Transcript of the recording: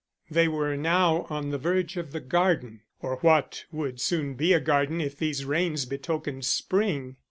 They were now on the verge of the garden, or what would soon be a garden if these rains betokened spring.